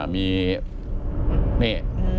มีนี่